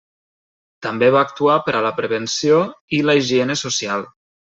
També va actuar per a la prevenció i la higiene social.